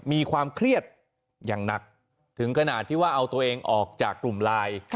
มีความเครียดอย่างหนักถึงขนาดที่ว่าเอาตัวเองออกจากกลุ่มไลน์